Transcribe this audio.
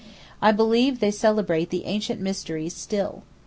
I believe they celebrate the ancient mysteries still.